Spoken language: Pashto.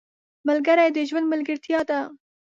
ملګري د ژوند ملګرتیا ده.